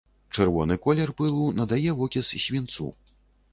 Чырвоны колер пылу надае вокіс свінцу.